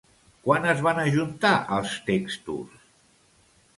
Quan es van ajuntar els textos?